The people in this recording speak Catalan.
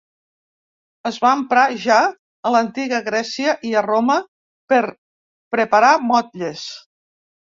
Es va emprar ja a l'Antiga Grècia i a Roma per preparar motlles.